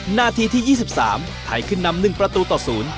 หน้าทีที่๒๓ไทยขึ้นนำหนึ่งประตูต่อศูนย์